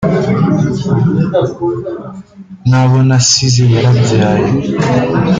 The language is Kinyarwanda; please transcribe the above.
n’abo nasize yarabyaye